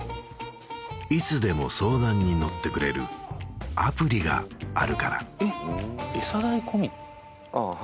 いつでも相談に乗ってくれるアプリがあるからえっ餌代込み？